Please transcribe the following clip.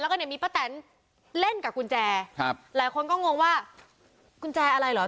แล้วก็เนี่ยมีป้าแตนเล่นกับกุญแจครับหลายคนก็งงว่ากุญแจอะไรเหรอ